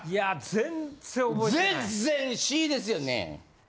全然「し」ですよね。